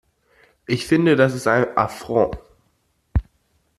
Ich finde, das ist ein Affront.